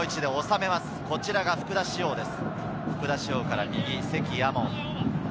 こちらが福田師王です。